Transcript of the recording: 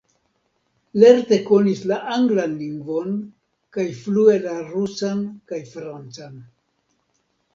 Lerte konis la anglan lingvon kaj flue la rusan kaj francan.